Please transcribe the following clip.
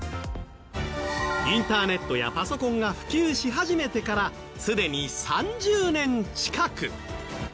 インターネットやパソコンが普及し始めてからすでに３０年近く。